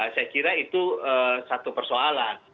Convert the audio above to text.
saya kira itu satu persoalan